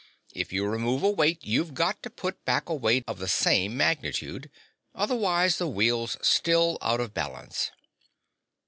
If you remove a weight, you've got to put back a weight of the same magnitude. Otherwise, the wheel's still out of balance."